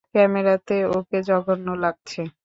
ক্যামেরাতে ওকে জঘন্য লাগছে।